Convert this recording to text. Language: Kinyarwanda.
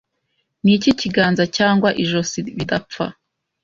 Niki kiganza cyangwa ijisho bidapfa